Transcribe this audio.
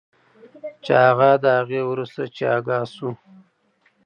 چې هغه د هغې وروسته چې آګاه شو